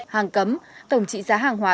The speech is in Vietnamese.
hàng cấm tổng trị giá hàng hóa